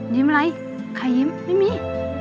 อะไรใครยิ้มไม่มี